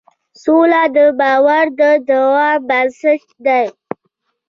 سوله د باور د دوام بنسټ ده.